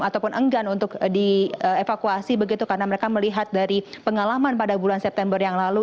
ataupun enggan untuk dievakuasi begitu karena mereka melihat dari pengalaman pada bulan september yang lalu